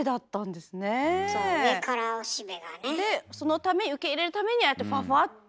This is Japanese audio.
でそのため受け入れるためにああやってふわふわっと。